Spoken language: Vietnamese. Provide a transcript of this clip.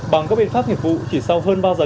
bằng các biện pháp nghiệp vụ chỉ sau hơn ba giờ